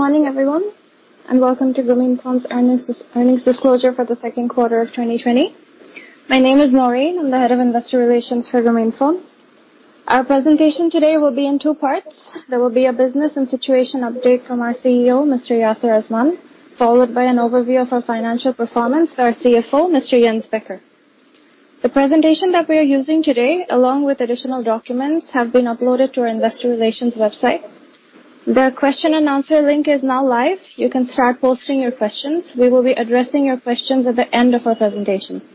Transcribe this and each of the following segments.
Morning everyone, welcome to Grameenphone's earnings disclosure for the second quarter of 2020. My name is Maureen. I'm the Head of Investor Relations for Grameenphone. Our presentation today will be in two parts. There will be a business and situation update from our CEO, Mr. Yasir Azman, followed by an overview of our financial performance by our CFO, Mr. Jens Becker. The presentation that we are using today, along with additional documents, have been uploaded to our investor relations website. The question and answer link is now live. You can start posting your questions. We will be addressing your questions at the end of our presentation.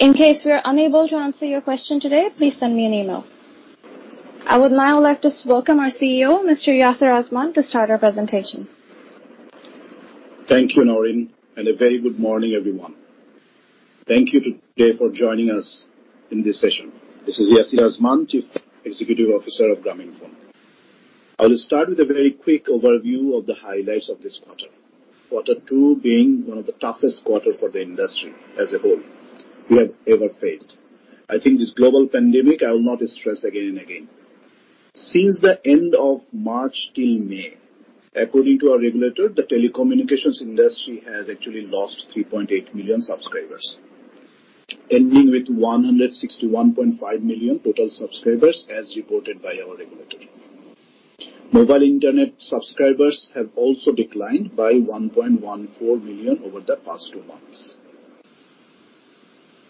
In case we are unable to answer your question today, please send me an email. I would now like to welcome our CEO, Mr. Yasir Azman, to start our presentation. Thank you, Maureen. A very good morning, everyone. Thank you today for joining us in this session. This is Yasir Azman, Chief Executive Officer of Grameenphone. I will start with a very quick overview of the highlights of this quarter two being one of the toughest quarter for the industry as a whole we have ever faced. I think this global pandemic, I will not stress again and again. Since the end of March till May, according to our regulator, the telecommunications industry has actually lost 3.8 million subscribers, ending with 161.5 million total subscribers as reported by our regulator. Mobile internet subscribers have also declined by 1.14 million over the past two months.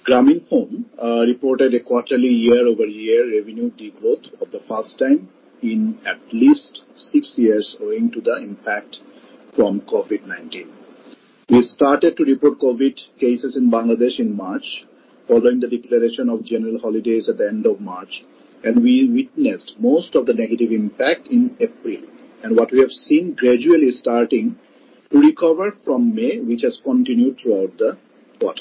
Grameenphone reported a quarterly year-over-year revenue decline for the first time in at least six years owing to the impact from COVID-19. We started to report COVID cases in Bangladesh in March, following the declaration of general holidays at the end of March, and we witnessed most of the negative impact in April. What we have seen gradually starting to recover from May, which has continued throughout the Q2.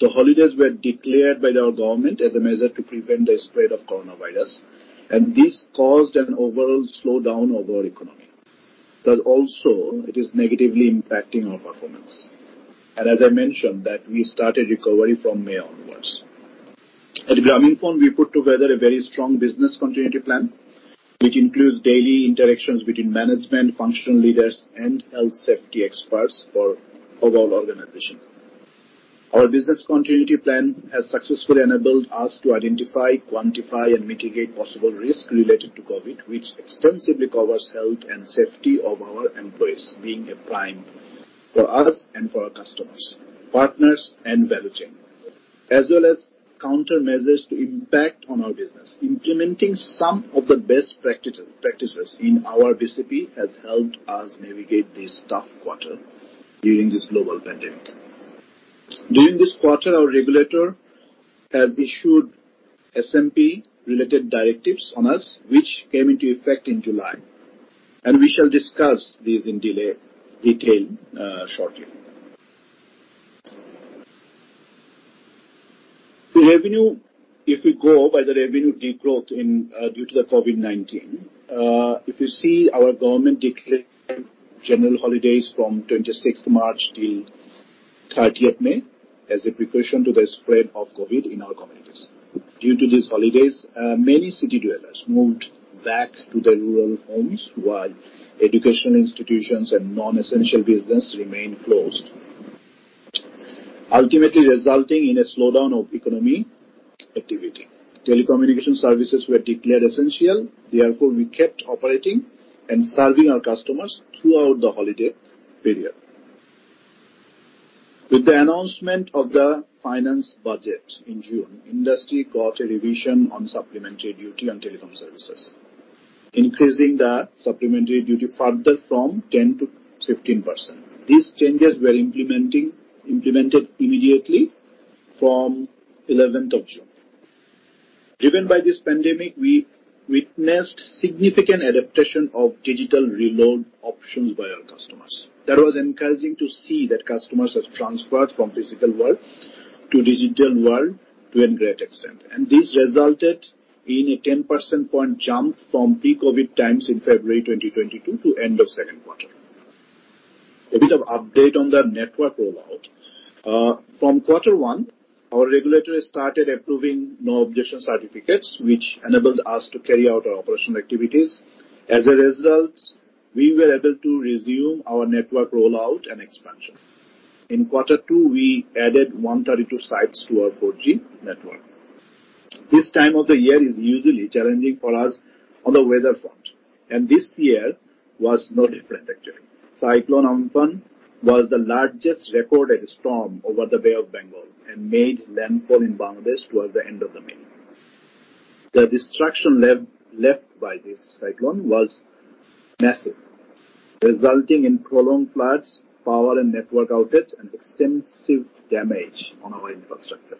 The holidays were declared by our government as a measure to prevent the spread of coronavirus, and this caused an overall slowdown of our economy. That also, it is negatively impacting our performance. As I mentioned, that we started recovery from May onwards. At Grameenphone, we put together a very strong business continuity plan, which includes daily interactions between management, functional leaders, and health safety experts for overall organization. Our business continuity plan has successfully enabled us to identify, quantify, and mitigate possible risk related to COVID, which extensively covers health and safety of our employees being a prime for us and for our customers, partners, and value chain, as well as countermeasures to impact on our business. Implementing some of the best practices in our BCP has helped us navigate this tough quarter during this global pandemic. During this quarter, our regulator has issued SMP-related directives on us, which came into effect in July, and we shall discuss these in detail shortly. The revenue, if we go by the revenue decline due to the COVID-19. If you see our government declared general holidays from 26th March till 30th May as a precaution to the spread of COVID in our communities. Due to these holidays, many city dwellers moved back to their rural homes while educational institutions and non-essential business remained closed, ultimately resulting in a slowdown of economic activity. Therefore, telecommunication services were declared essential, we kept operating and serving our customers throughout the holiday period. With the announcement of the finance budget in June, industry got a revision on supplementary duty on telecom services, increasing the supplementary duty further from 10 to 15%. These changes were implemented immediately from 11th of June. Driven by this pandemic, we witnessed significant adaptation of digital reload options by our customers. That was encouraging to see that customers have transferred from physical world to digital world to a great extent, and this resulted in a 10 percentage point jump from pre-COVID times in February 2020 to end of second quarter. A bit of update on the network rollout. From quarter one, our regulators started approving no objection certificates, which enabled us to carry out our operational activities. As a result, we were able to resume our network rollout and expansion. In quarter two, we added 132 sites to our 4G network. This time of the year is usually challenging for us on the weather front, and this year was no different actually. Cyclone Amphan was the largest recorded storm over the Bay of Bengal and made landfall in Bangladesh towards the end of May. The destruction left by this cyclone was massive, resulting in prolonged floods, power and network outage, and extensive damage on our infrastructure.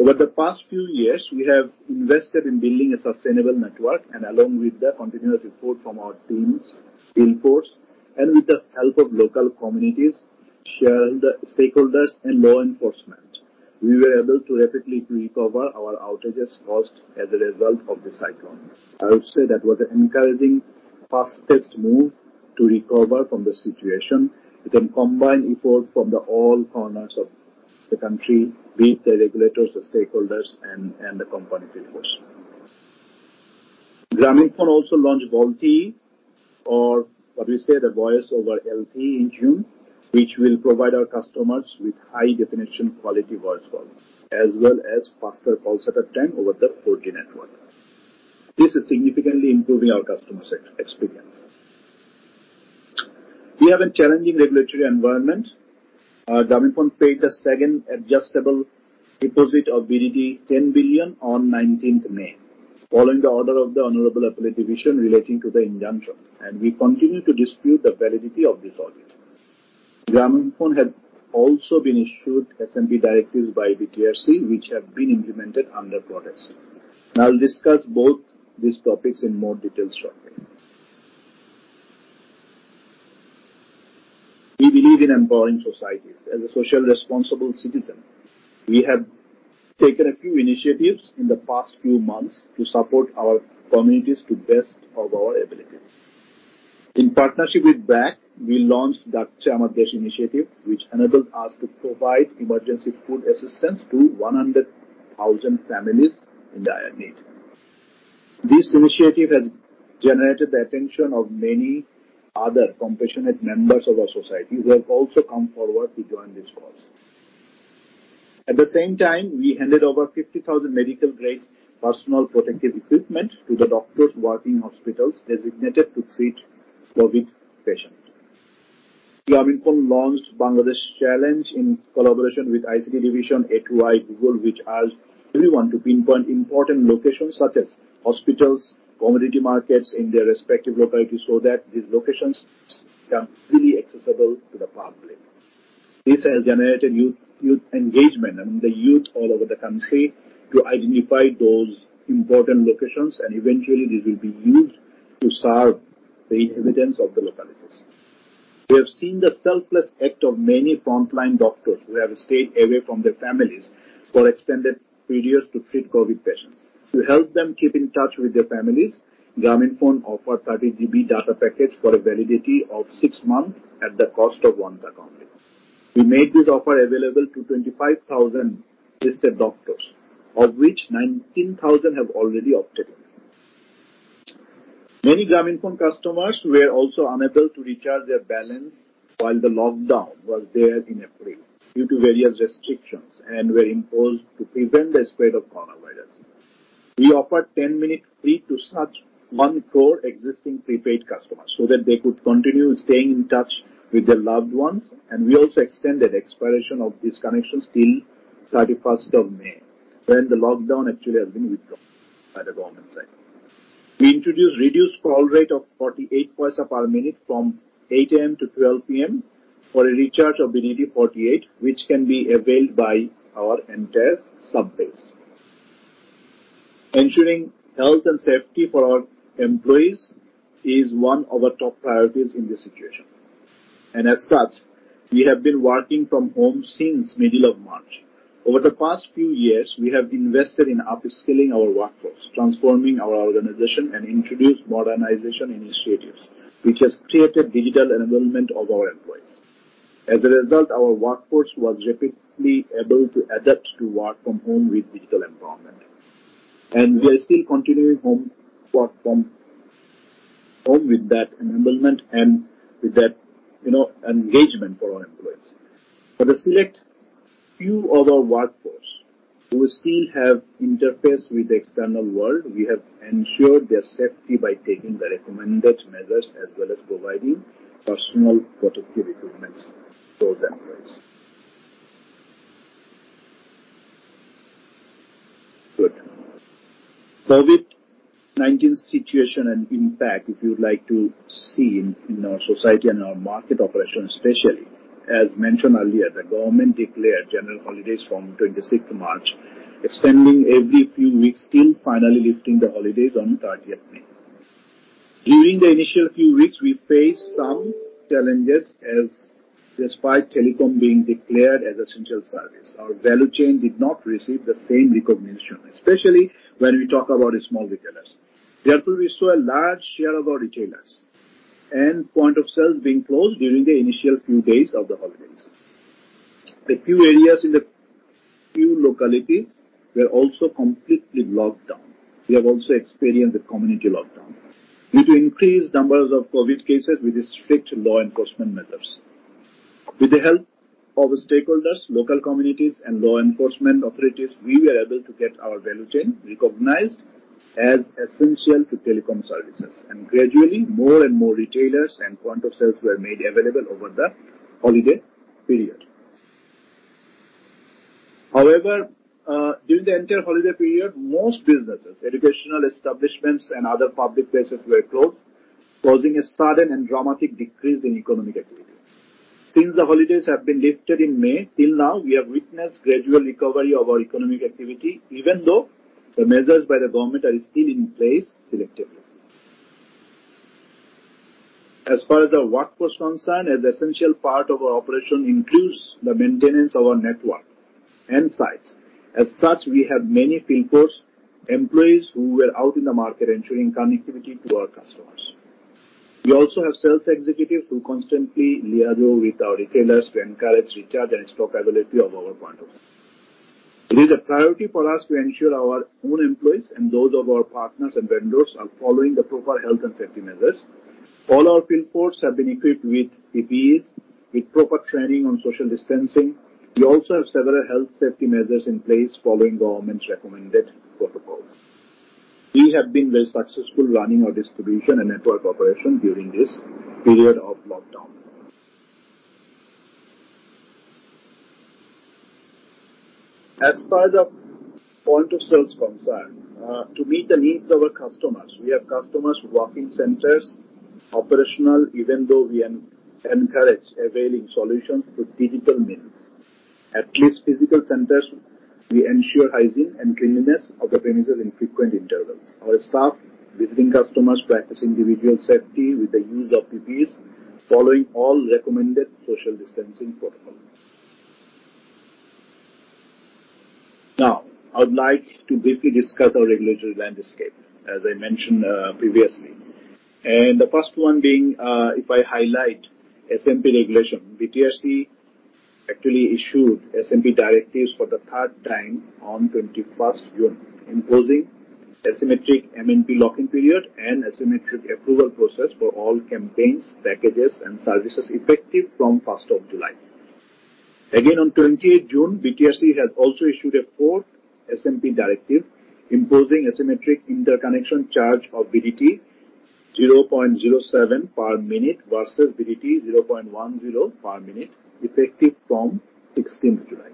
Over the past few years, we have invested in building a sustainable network and along with the continuous reports from our teams, workforce, and with the help of local communities, shareholders, stakeholders, and law enforcement, we were able to rapidly recover our outages caused as a result of the cyclone. I would say that was an encouraging fastest move to recover from the situation, we can combine efforts from all corners of the country, be it the regulators, the stakeholders, and the company people. Grameenphone also launched VoLTE, or what we say the voice over LTE in June, which will provide our customers with high-definition quality voice call, as well as faster call set-up time over the 4G network. This is significantly improving our customer experience. We have a challenging regulatory environment. Grameenphone paid the second adjustable deposit of BDT 10 billion on 19th May, following the order of the Honorable Appellate Division relating to the injunction, and we continue to dispute the validity of this order. Grameenphone has also been issued SMP directives by BTRC, which have been implemented under protest. I'll discuss both these topics in more detail shortly. We believe in empowering societies. As a socially responsible citizen, we have taken a few initiatives in the past few months to support our communities to the best of our abilities. In partnership with BRAC, we launched the "Dakche Amar Desh" initiative, which enabled us to provide emergency food assistance to 100,000 families in dire need. This initiative has generated the attention of many other compassionate members of our society who have also come forward to join this cause. At the same time, we handed over 50,000 medical-grade personal protective equipment to the doctors working in hospitals designated to treat COVID patients. Grameenphone launched Bangladesh Challenge in collaboration with ICT Division, a2i, Google, which urged everyone to pinpoint important locations such as hospitals, community markets in their respective localities so that these locations become freely accessible to the public. This has generated youth engagement and the youth all over the country to identify those important locations, and eventually, these will be used to serve the inhabitants of the localities. We have seen the selfless act of many frontline doctors who have stayed away from their families for extended periods to treat COVID patients. To help them keep in touch with their families, Grameenphone offered 30GB data package for a validity of six months at the cost of BDT 1 only. We made this offer available to 25,000 listed doctors, of which 19,000 have already opted in. Many Grameenphone customers were also unable to recharge their balance while the lockdown was there in April due to various restrictions and were imposed to prevent the spread of coronavirus. We offered 10 minutes free to such 1 crore existing prepaid customers so that they could continue staying in touch with their loved ones. We also extended expiration of these connections till 31st of May, when the lockdown actually has been withdrawn by the government side. We introduced reduced call rate of BDT 0.48 per minute from 8:00 A.M. to 12:00 P.M. for a recharge of BDT 48, which can be availed by our entire sub-base. Ensuring health and safety for our employees is one of our top priorities in this situation. As such, we have been working from home since middle of March. Over the past few years, we have invested in upskilling our workforce, transforming our organization, and introduced modernization initiatives, which has created digital enablement of our employees. As a result, our workforce was rapidly able to adapt to work from home with digital empowerment. We are still continuing work from home with that enablement and with that engagement for our employees. For the select few of our workforce who still have interface with the external world, we have ensured their safety by taking the recommended measures as well as providing personal protective equipment for them first. COVID-19 situation and impact, if you would like to see in our society and our market operations, especially, as mentioned earlier, the government declared general holidays from 26th March, extending every few weeks till finally lifting the holidays on 30th May. During the initial few weeks, we faced some challenges as despite telecom being declared as essential service, our value chain did not receive the same recognition, especially when we talk about small retailers. Therefore, we saw a large share of our retailers and point of sales being closed during the initial few days of the holidays. A few areas in the few localities were also completely locked down. We have also experienced a community lockdown due to increased numbers of COVID cases with strict law enforcement measures. With the help of the stakeholders, local communities, and law enforcement operatives, we were able to get our value chain recognized as essential to telecom services. Gradually, more and more retailers and point of sales were made available over the holiday period. However, during the entire holiday period, most businesses, educational establishments, and other public places were closed, causing a sudden and dramatic decrease in economic activity. Since the holidays have been lifted in May, till now, we have witnessed gradual recovery of our economic activity, even though the measures by the government are still in place selectively. As far as the workforce concerned, an essential part of our operation includes the maintenance of our network and sites. As such, we have many field force employees who were out in the market ensuring connectivity to our customers. We also have sales executives who constantly liaise with our retailers to encourage recharge and stock availability of our products. It is a priority for us to ensure our own employees and those of our partners and vendors are following the proper health and safety measures. All our field force have been equipped with PPEs, with proper training on social distancing. We also have several health safety measures in place following government's recommended protocols. We have been very successful running our distribution and network operation during this period of lockdown. As far as our point-of-sale concern, to meet the needs of our customers, we have customers walk-in centers operational even though we encourage availing solutions through digital means. At these physical centers, we ensure hygiene and cleanliness of the premises in frequent intervals. Our staff visiting customers practice individual safety with the use of PPEs, following all recommended social distancing protocol. Now, I would like to briefly discuss our regulatory landscape, as I mentioned previously. The first one being, if I highlight SMP regulation, BTRC actually issued SMP directives for the third time on 21st June, imposing asymmetric MNP locking period and asymmetric approval process for all campaigns, packages, and services effective from 1st of July. Again, on 20th June, BTRC has also issued a fourth SMP directive imposing asymmetric interconnection charge of BDT 0.07 per minute versus BDT 0.10 per minute, effective from 16th July.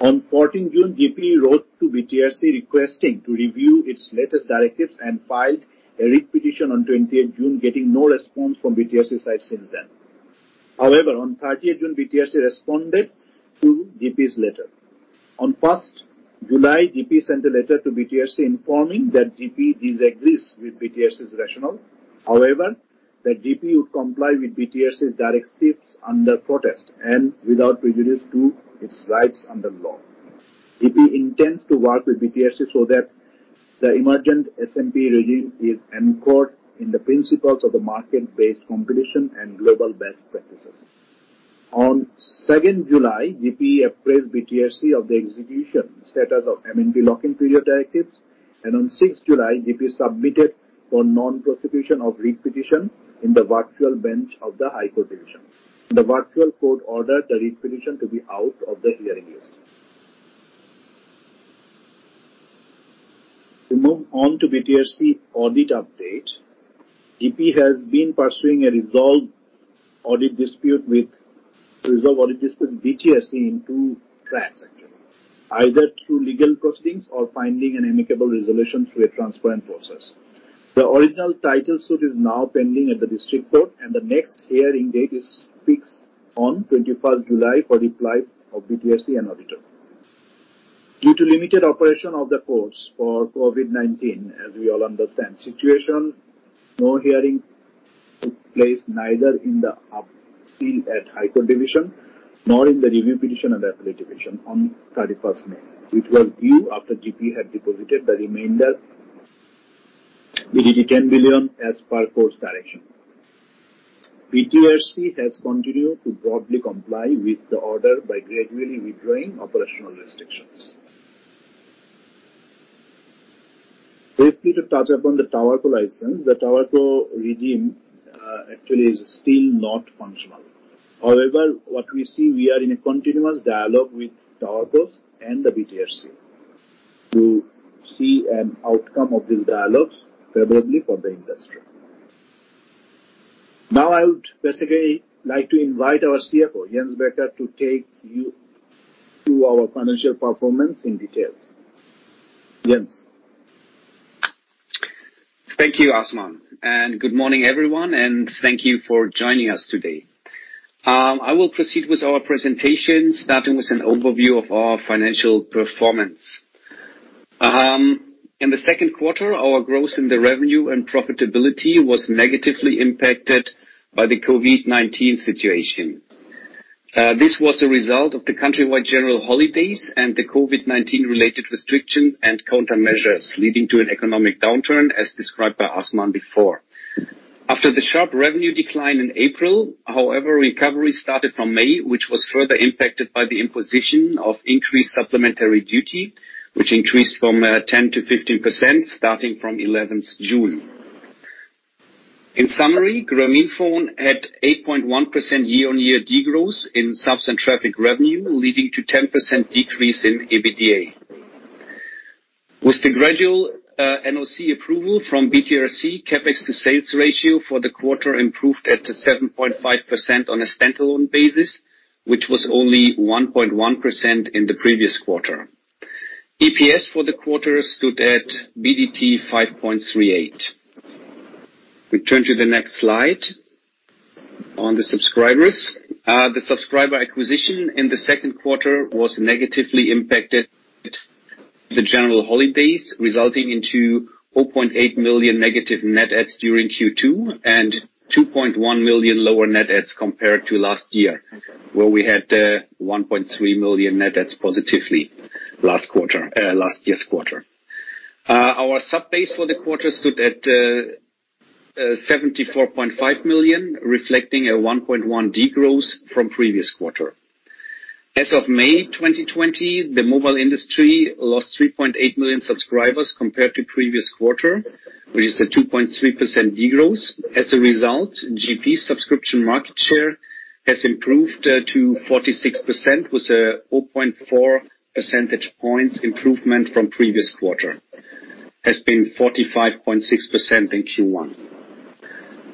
On 14 June, GP wrote to BTRC requesting to review its latest directives and filed a writ petition on 20th June, getting no response from BTRC side since then. However, on 30th June, BTRC responded to GP's letter. On 1st July, GP sent a letter to BTRC informing that GP disagrees with BTRC's rationale. However, that GP would comply with BTRC's directives under protest and without prejudice to its rights under law. GP intends to work with BTRC so that the emergent SMP regime is anchored in the principles of the market-based competition and global best practices. On 2nd July, GP appraised BTRC of the execution status of MNP locking period directives, and on 6th July, GP submitted for non-prosecution of writ petition in the virtual bench of the High Court Division. The virtual court ordered the writ petition to be out of the hearing list. To move on to BTRC audit update, GP has been pursuing a resolve audit dispute with BTRC in two tracks, actually, either through legal proceedings or finding an amicable resolution through a transparent process. The original title suit is now pending at the district court. The next hearing date is fixed on 21st July for reply of BTRC and auditor. Due to limited operation of the courts for COVID-19, as we all understand, situation, no hearing took place neither in the appeal at High Court Division nor in the review petition and Appellate Division on 31st May, which was due after GP had deposited the remainder BDT 10 billion as per court's direction. BTRC has continued to broadly comply with the order by gradually withdrawing operational restrictions. Briefly to touch upon the TowerCo license. The TowerCo regime actually is still not functional. What we see, we are in a continuous dialogue with TowerCos and the BTRC to see an outcome of these dialogues favorably for the industry. Now, I would basically like to invite our CFO, Jens Becker, to take you through our financial performance in details. Jens. Thank you, Azman. Good morning, everyone, and thank you for joining us today. I will proceed with our presentation, starting with an overview of our financial performance. In the second quarter, our growth in the revenue and profitability was negatively impacted by the COVID-19 situation. This was a result of the country-wide general holidays and the COVID-19 related restriction and countermeasures, leading to an economic downturn as described by Azman before. After the sharp revenue decline in April, however, recovery started from May, which was further impacted by the imposition of increased supplementary duty, which increased from 10% to 15%, starting from 11th June. In summary, Grameenphone had 8.1% year-on-year degrowth in subs and traffic revenue, leading to 10% decrease in EBITDA. With the gradual NOC approval from BTRC, CapEx to sales ratio for the quarter improved at 7.5% on a standalone basis, which was only 1.1% in the previous quarter. EPS for the quarter stood at BDT 5.38. We turn to the next slide on the subscribers. The subscriber acquisition in the second quarter was negatively impacted. The general holidays resulting into 0.8 million negative net adds during Q2 and 2.1 million lower net adds compared to last year, where we had 1.3 million net adds positively last year's quarter. Our sub-base for the quarter stood at 74.5 million, reflecting a 1.1 degrowth from previous quarter. As of May 2020, the mobile industry lost 3.8 million subscribers compared to previous quarter, which is a 2.3% degrowth. Grameenphone subscription market share has improved to 46%, with a 0.4 percentage points improvement from previous quarter. It has been 45.6% in Q1.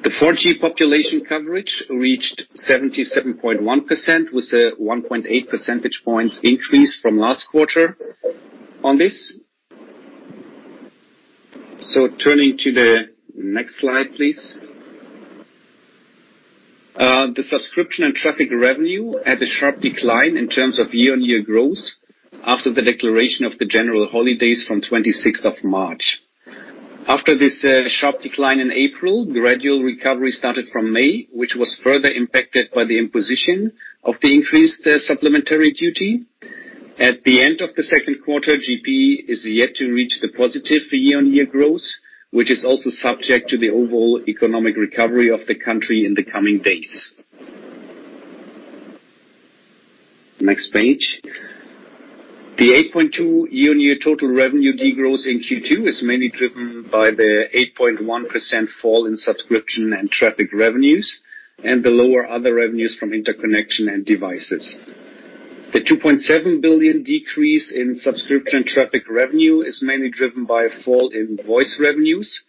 The 4G population coverage reached 77.1% with a 1.8 percentage points increase from last quarter on this. Turning to the next slide, please. The subscription and traffic revenue had a sharp decline in terms of year-on-year growth after the declaration of the general holidays from 26th of March. After this sharp decline in April, gradual recovery started from May, which was further impacted by the imposition of the increased supplementary duty. At the end of the second quarter, Grameenphone is yet to reach the positive year-on-year growth, which is also subject to the overall economic recovery of the country in the coming days. Next page. The 8.2 year-on-year total revenue degrowth in Q2 is mainly driven by the 8.1% fall in subscription and traffic revenues and the lower other revenues from interconnection and devices. The BDT 2.7 billion decrease in subscription traffic revenue is mainly driven by a fall in voice revenues,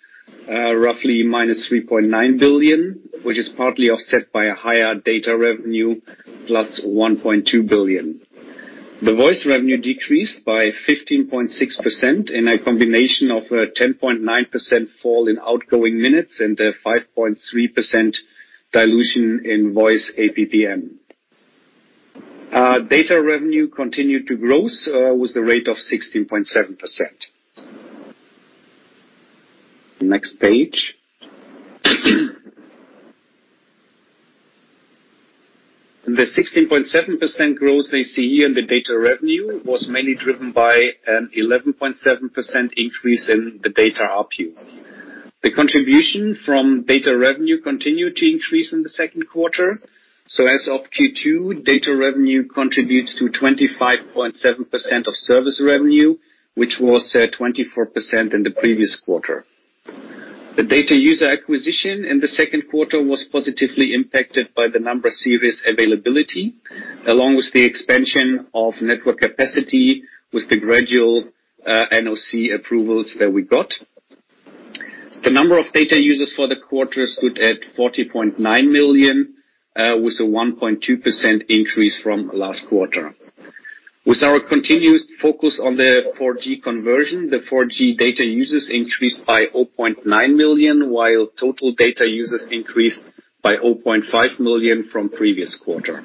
roughly -BDT 3.9 billion, which is partly offset by a higher data revenue, +BDT 1.2 billion. The voice revenue decreased by 15.6% in a combination of a 10.9% fall in outgoing minutes and a 5.3% dilution in voice APPM. Data revenue continued to growth with the rate of 16.7%. Next page. The 16.7% growth that you see here in the data revenue was mainly driven by an 11.7% increase in the data ARPU. As of Q2, data revenue contributes to 25.7% of service revenue, which was 24% in the previous quarter. The data user acquisition in the second quarter was positively impacted by the number series availability, along with the expansion of network capacity with the gradual NOC approvals that we got. The number of data users for the quarter stood at 40.9 million, with a 1.2% increase from last quarter. With our continued focus on the 4G conversion, the 4G data users increased by 0.9 million, while total data users increased by 0.5 million from previous quarter.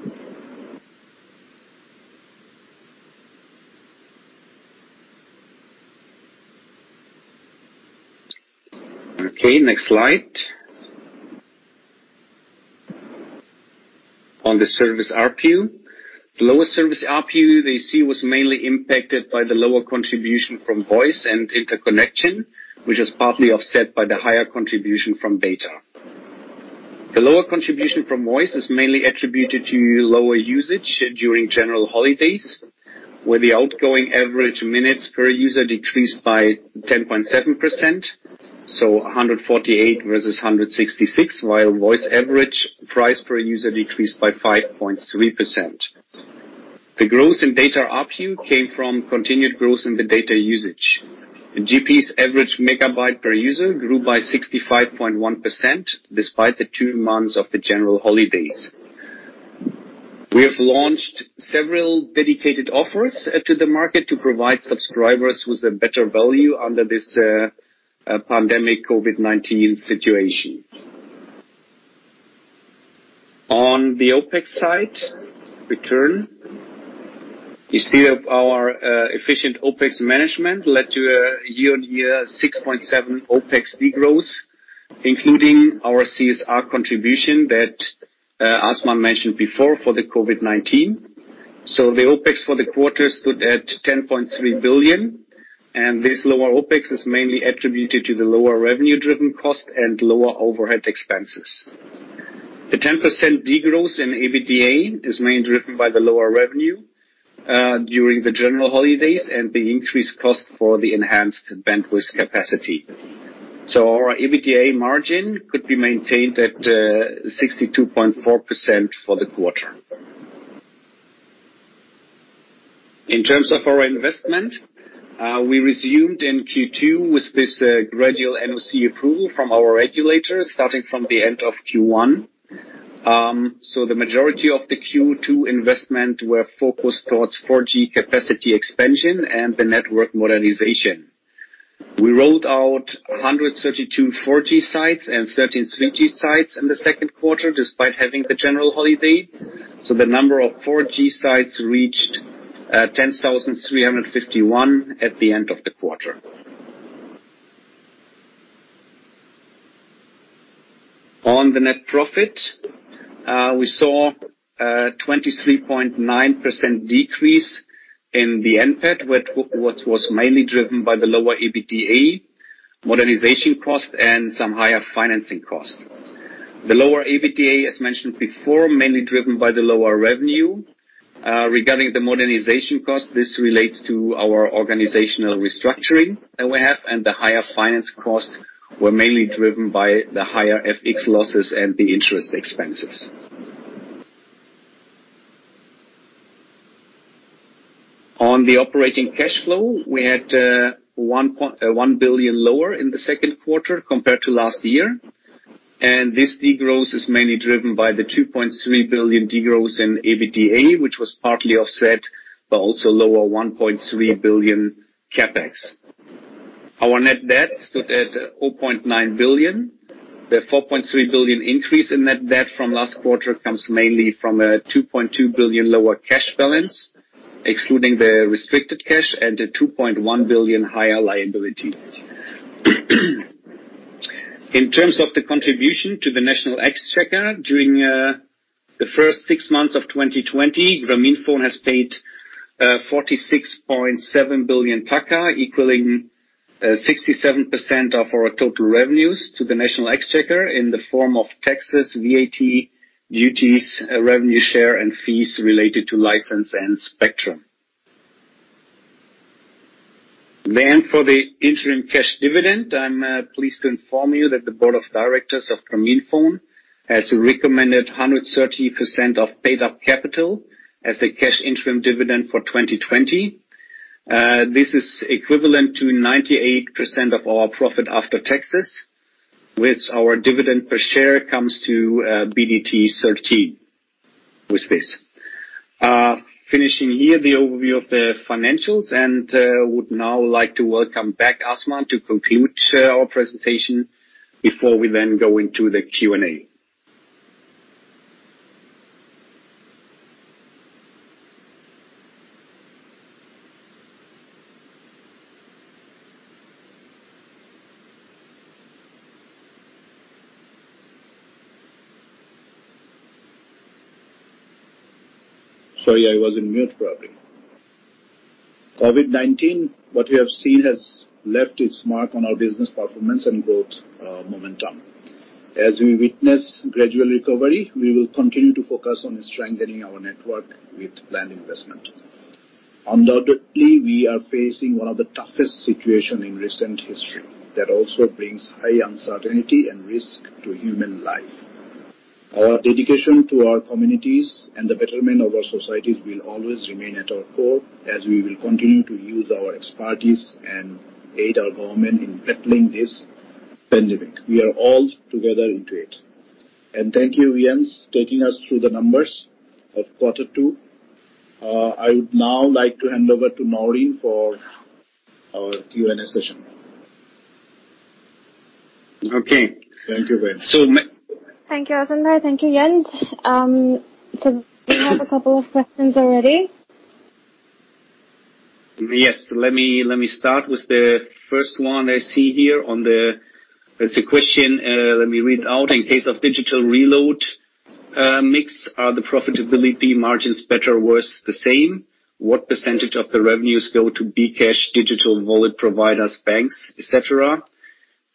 Next slide. On the service ARPU, the lower service ARPU that you see was mainly impacted by the lower contribution from voice and interconnection, which is partly offset by the higher contribution from data. The lower contribution from voice is mainly attributed to lower usage during general holidays, where the outgoing average minutes per user decreased by 10.7%. 148 versus 166, while voice average price per user decreased by 5.3%. The growth in data ARPU came from continued growth in the data usage. Grameenphone's average megabyte per user grew by 65.1%, despite the two months of the general holidays. We have launched several dedicated offers to the market to provide subscribers with a better value under this pandemic COVID-19 situation. On the OpEx side, return. You see that our efficient OpEx management led to a year-on-year 6.7% OpEx degrowth, including our CSR contribution that Azman mentioned before for the COVID-19. The OpEx for the quarter stood at BDT 10.3 billion, and this lower OpEx is mainly attributed to the lower revenue-driven cost and lower overhead expenses. The 10% degrowth in EBITDA is mainly driven by the lower revenue during the general holidays and the increased cost for the enhanced bandwidth capacity. Our EBITDA margin could be maintained at 62.4% for the quarter. In terms of our investment, we resumed in Q2 with this gradual NOC approval from our regulators starting from the end of Q1. The majority of the Q2 investment were focused towards 4G capacity expansion and the network modernization. We rolled out 132 4G sites and 13 3G sites in the second quarter, despite having the general holiday. The number of 4G sites reached 10,351 at the end of the quarter. On the net profit, we saw a 23.9% decrease in the NPAT, which was mainly driven by the lower EBITDA modernization cost and some higher financing cost. The lower EBITDA, as mentioned before, mainly driven by the lower revenue. Regarding the modernization cost, this relates to our organizational restructuring that we have, and the higher finance cost were mainly driven by the higher FX losses and the interest expenses. On the operating cash flow, we had BDT 1 billion lower in the second quarter compared to last year, and this de-growth is mainly driven by the BDT 2.3 billion de-growth in EBITDA, which was partly offset by also lower BDT 1.3 billion CapEx. Our net debt stood at BDT 0.9 billion. The BDT 4.3 billion increase in net debt from last quarter comes mainly from a BDT 2.2 billion lower cash balance, excluding the restricted cash and a BDT 2.1 billion higher liability. In terms of the contribution to the national exchequer, during the first six months of 2020, Grameenphone has paid BDT 46.7 billion, equaling 67% of our total revenues to the national exchequer in the form of taxes, VAT, duties, revenue share, and fees related to license and spectrum. For the interim cash dividend, I'm pleased to inform you that the board of directors of Grameenphone has recommended 130% of paid-up capital as a cash interim dividend for 2020. This is equivalent to 98% of our profit after taxes, with our dividend per share comes to BDT 13 with this. Finishing here the overview of the financials, would now like to welcome back Azman to conclude our presentation before we then go into the Q&A. Sorry, I was in mute probably. COVID-19, what we have seen has left its mark on our business performance and growth momentum. As we witness gradual recovery, we will continue to focus on strengthening our network with planned investment. Undoubtedly, we are facing one of the toughest situation in recent history that also brings high uncertainty and risk to human life. Our dedication to our communities and the betterment of our societies will always remain at our core as we will continue to use our expertise and aid our government in battling this pandemic. We are all together into it. Thank you, Jens, taking us through the numbers of quarter two. I would now like to hand over to Maureen for our Q&A session. Okay. Thank you very much. Thank you, Azman. Thank you, Jens. We have a couple of questions already. Yes. Let me start with the first one I see here. There's a question, let me read out. In case of digital reload mix, are the profitability margins better, worse, the same? What % of the revenues go to bKash, digital wallet providers, banks, et cetera?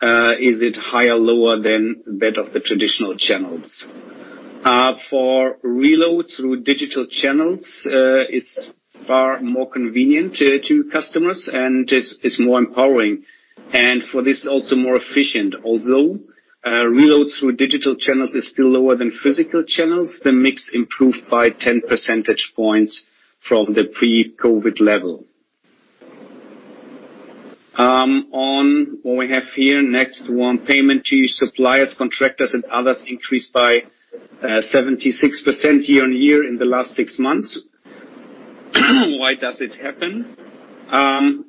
Is it higher, lower than that of the traditional channels? For reloads through digital channels, it's far more convenient to customers and is more empowering. For this, also more efficient. Reloads through digital channels is still lower than physical channels. The mix improved by 10 percentage points from the pre-COVID-19 level. On what we have here, next one, payment to suppliers, contractors, and others increased by 76% year-on-year in the last six months. Why does it happen?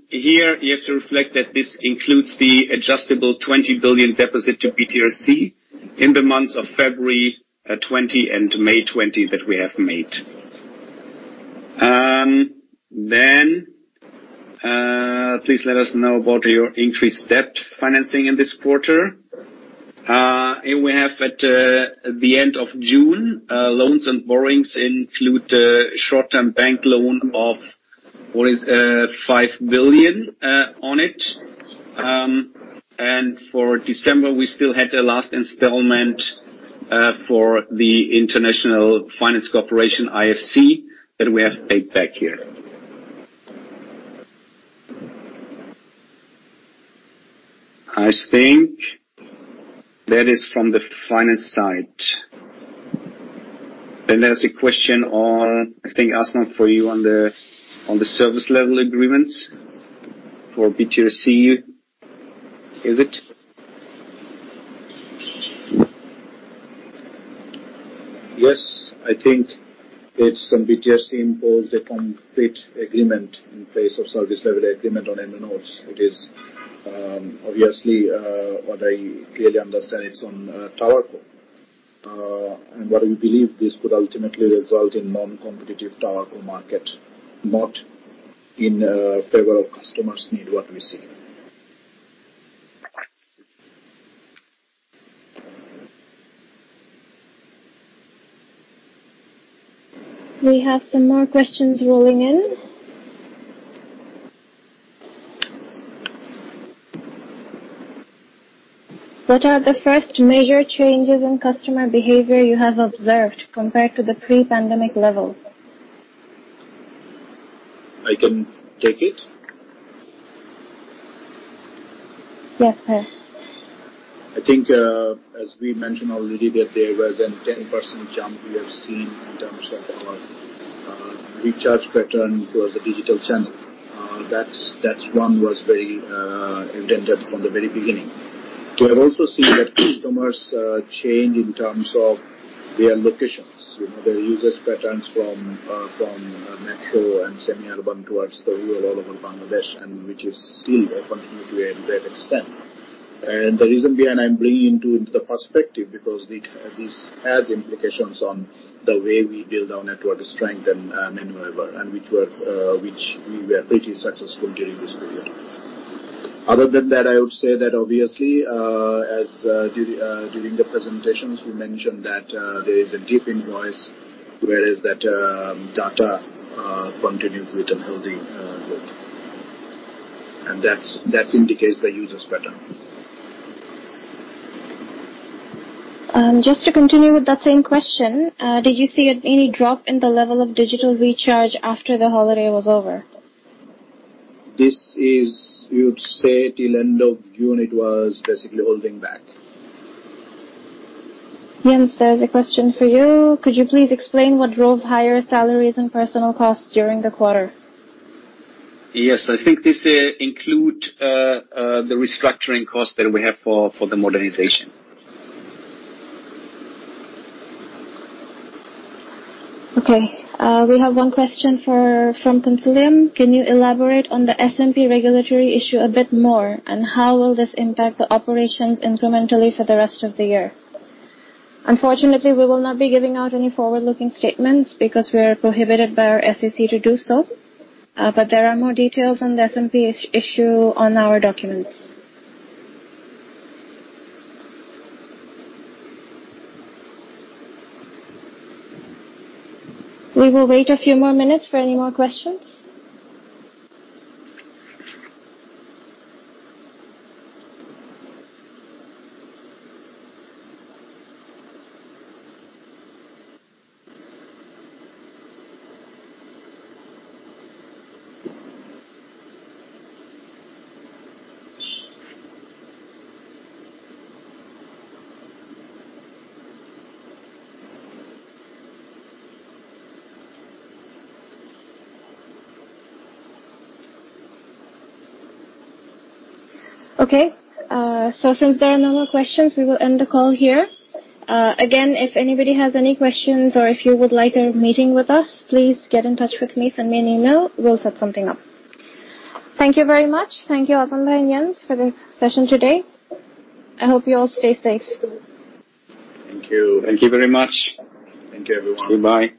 Here, you have to reflect that this includes the adjustable BDT 20 billion deposit to BTRC in the months of February 2020 and May 2020 that we have made. Please let us know about your increased debt financing in this quarter. Here we have at the end of June, loans and borrowings include a short-term bank loan of what is BDT 5 billion on it. For December, we still had the last installment for the International Finance Corporation, IFC, that we have paid back here. I think that is from the finance side. There's a question on, I think, Azman, for you on the service level agreements for BTRC. Is it? Yes, I think it's some BTRC imposed a complete agreement in place of service level agreement on MNOs. It is obviously, what I clearly understand it's on TowerCo. What we believe this could ultimately result in non-competitive TowerCo market, not in favor of customers need what we see. We have some more questions rolling in. "What are the first major changes in customer behavior you have observed compared to the pre-pandemic level? I can take it. Yes, sir. I think, as we mentioned already that there was a 10% jump we have seen in terms of our recharge pattern towards the digital channel. That one was very intended from the very beginning. We have also seen that customers change in terms of their locations. Their usage patterns from metro and semi-urban towards the rural over Bangladesh, which is still continuing to a great extent. The reason being I'm bringing into the perspective, because this has implications on the way we build our network strength and maneuver, and which we were pretty successful during this period. Other than that, I would say that obviously, during the presentations, we mentioned that there is a dip in voice, whereas that data continues with a healthy growth. That indicates the users' pattern. Just to continue with that same question, did you see any drop in the level of digital recharge after the holiday was over? This is, you'd say till end of June, it was basically holding back. Jens, there's a question for you. "Could you please explain what drove higher salaries and personal costs during the quarter? Yes. I think this include the restructuring costs that we have for the modernization. Okay. We have one question from Consortium. "Can you elaborate on the SMP regulatory issue a bit more? And how will this impact the operations incrementally for the rest of the year?" Unfortunately, we will not be giving out any forward-looking statements because we are prohibited by our SEC to do so. There are more details on the SMP issue on our documents. We will wait a few more minutes for any more questions. Okay. Since there are no more questions, we will end the call here. Again, if anybody has any questions or if you would like a meeting with us, please get in touch with me. Send me an email, we'll set something up. Thank you very much. Thank you, Azman and Jens for the session today. I hope you all stay safe. Thank you. Thank you very much. Thank you, everyone. Goodbye